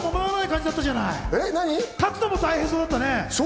立つのも大変そうだったね。